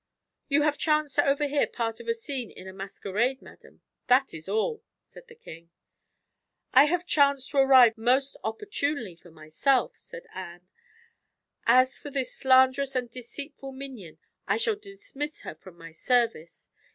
"You have chanced to overhear part of a scene in a masquerade, madam that is all," said the king. "I have chanced to arrive most opportunely for myself," said Anne. "As for this slanderous and deceitful minion, I shall dismiss her from my service.